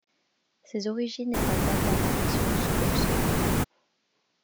Ses origines et sa date d'apparition sont obscures.